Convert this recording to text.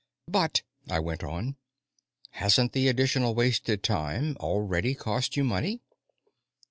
"But," I went on, "hasn't the additional wasted time already cost you money?"